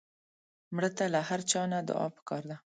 مړه ته له هر چا نه دعا پکار ده